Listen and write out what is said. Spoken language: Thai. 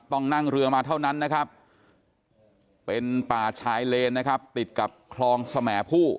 ต้องนั่งเรือมาเท่านั้นนะครับเป็นป่าชายเลนนะครับติดกับคลองสมผู้